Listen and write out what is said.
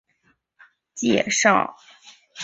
曾希圣是邓小平与卓琳结婚的介绍人。